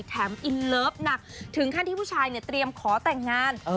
อินเลิฟหนักถึงขั้นที่ผู้ชายเนี่ยเตรียมขอแต่งงาน